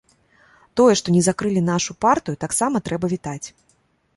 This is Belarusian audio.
Тое, што не закрылі нашу партыю, таксама трэба вітаць.